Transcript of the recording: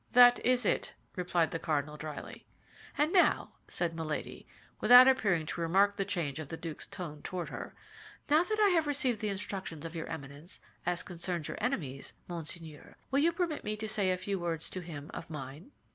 "That is it," replied the cardinal, dryly. "And now," said Milady, without appearing to remark the change of the duke's tone toward her—"now that I have received the instructions of your Eminence as concerns your enemies, Monseigneur will permit me to say a few words to him of mine?"